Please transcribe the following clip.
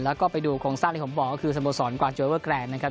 แล้วก็ไปดูโครงสร้างที่ผมบอกก็คือสมสรรค์กวาดเจอร์เวอร์แกรนด์